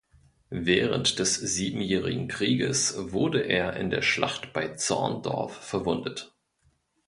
Während des Siebenjährigen Krieges wurde er in der Schlacht bei Zorndorf verwundet.